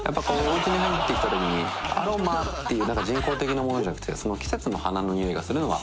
おうちに入ってきたときにアロマっていう人工的なものじゃなくてその。